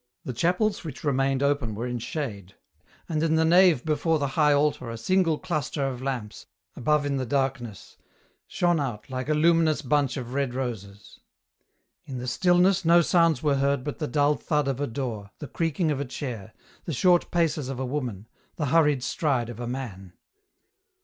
The chapels w hich remained open were in shade, and in the nave before the EN ROUTE. 75 high altar a single cluster of lamps, above in the darkness, shone out like a luminous bunch of red roses. In the stillness no sounds were heard but the dull thud of a door, the creaking of a chair, the short paces of a woman, the hurried stride of a man.